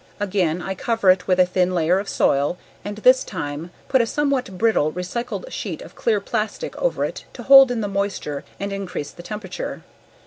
Again I cover it with a thin layer of soil and this time put a somewhat brittle, recycled sheet of clear plastic over it to hold in the moisture and increase the temperature.